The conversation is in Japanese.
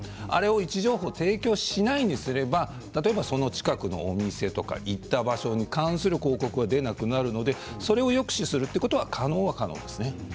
位置情報を提供しないようにすればその近くのお店とかに行った場所に関する広告は出なくなるというのでそれを抑止することは可能は可能です。